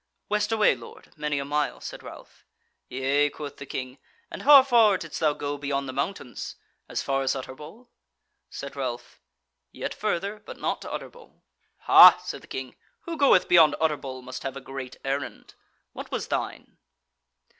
"West away, lord, many a mile," said Ralph. "Yea," quoth the King, "and how far didst thou go beyond the mountains? As far as Utterbol?" Said Ralph: "Yet further, but not to Utterbol." "Hah!" said the King, "who goeth beyond Utterbol must have a great errand; what was thine?"